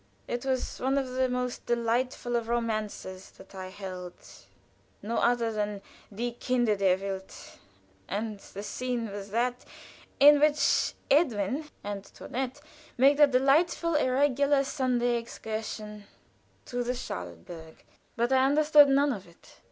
It was one of the most delightful of romances that I held no other than "Die Kinder der Welt" and the scene was that in which Edwin and Toinette make that delightful, irregular Sunday excursion to the Charlottenburg, but I understood none of it.